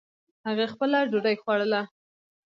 هغې خپله ډوډۍ خوړله